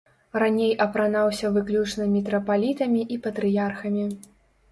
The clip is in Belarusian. Раней апранаўся выключна мітрапалітамі і патрыярхамі.